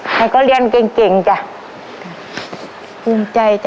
ให้เขาเรียนเก่งจ้ะภูมิใจจ้ะ